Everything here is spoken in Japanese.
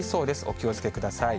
お気をつけください。